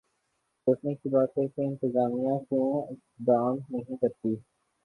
سوچنے کی بات ہے کہ انتظامیہ کیوں اقدام نہیں کرتی؟